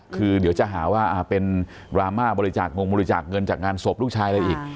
คือเดี๋ยวจะหาว่าเป็นดราม่าบริจาคงงบริจาคเงินจากงานศพลูกชายอะไรอีก